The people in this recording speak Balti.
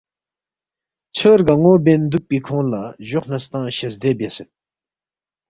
ژھیو رگنو بین دوکپی کھونگ لا جوخ نہ ستنگ شزدے بیاسید